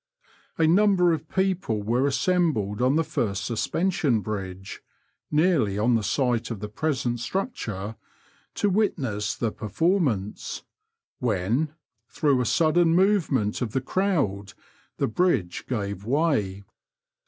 A number of people were assembled on the first suspension bridge (nearly on the site of the present structure) to vritness the performance, when, through a sudden movement of the crowd, the bridge gave way.